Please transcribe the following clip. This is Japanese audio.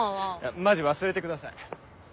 マジ忘れてください。